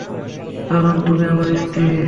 কারণ তুমি আমার স্ত্রী।